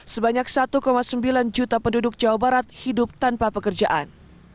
sebanyak satu sembilan juta penduduk jawa barat hidup tanpa pekerjaan